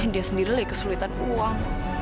dia sendiri lagi kesulitan uang